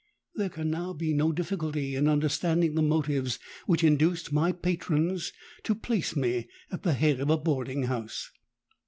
There can now be no difficulty in understanding the motives which induced my patrons to place me at the head of a boarding house.